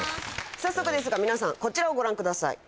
早速ですが皆さんこちらをご覧ください。